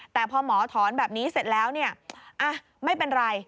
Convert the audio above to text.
แต่พอหมอถอนแบบนี้เสร็จแล้วไม่เป็นไร